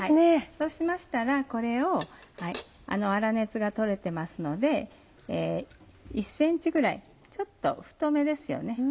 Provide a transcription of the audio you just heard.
そうしましたらこれを粗熱が取れてますので１ｃｍぐらいちょっと太めですよね。